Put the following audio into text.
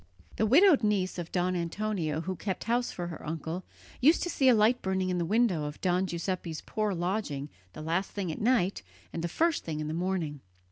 The widowed niece of Don Antonio who kept house for her uncle used to see a light burning in the window of Don Giuseppe's poor lodging the last thing at night and the first thing in the morning.